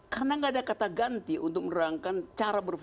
karena nggak ada kata ganti untuk menerangkan cara berpikir